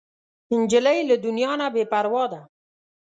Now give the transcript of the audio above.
نجلۍ له دنیا نه بې پروا ده.